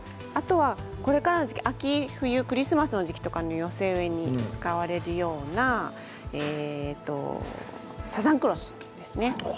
これからの時期、秋冬クリスマスの時期に寄せ植えに使われるようなサザンクロス。